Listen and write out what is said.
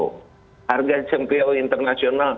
harga bahan baku ini tidak lagi tergantung pada harga internasional cpo